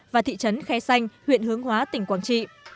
và thị trấn khe xanh huyện hướng hóa tỉnh quảng trị